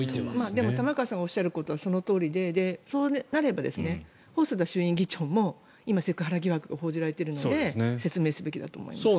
でも玉川さんがおっしゃることは、そのとおりでそうなれば、細田衆院議長も今、セクハラ疑惑が報じられているので説明すべきだと思います。